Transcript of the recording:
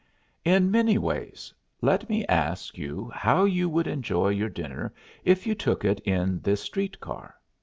"In many ways. Let me ask you how you would enjoy your breakfast if you took it in this street car.